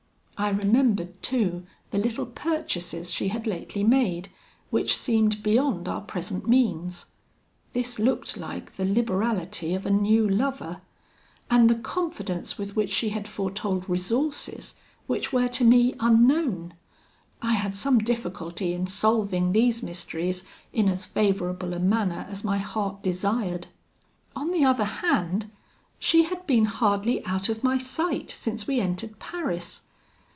I remembered, too, the little purchases she had lately made, which seemed beyond our present means. This looked like the liberality of a new lover. And the confidence with which she had foretold resources which were to me unknown? I had some difficulty in solving these mysteries in as favourable a manner as my heart desired. "On the other hand, she had been hardly out of my sight since we entered Paris.